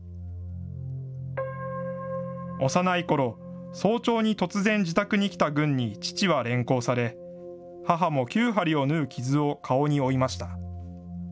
幼いころ、早朝に突然自宅に来た軍に、父は連行され、母も９針を縫う傷を顔に負いました。